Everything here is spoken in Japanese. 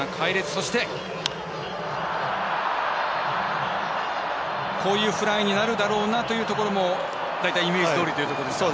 そして、こういうフライになるだろうなというところも大体イメージどおりというところですか。